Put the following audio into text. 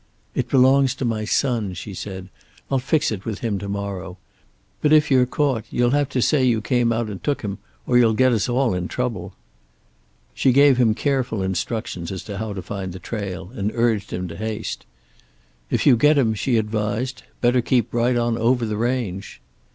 "It belongs to my son," she said. "I'll fix it with him to morrow. But if you're caught you'll have to say you came out and took him, or you'll get us all in trouble." She gave him careful instructions as to how to find the trail, and urged him to haste. "If you get him," she advised, "better keep right on over the range."